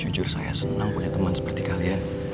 jujur saya senang punya teman seperti kalian